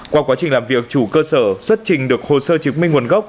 qua quá trình làm việc chủ cơ sở xuất trình được hồ sơ chứng minh nguồn gốc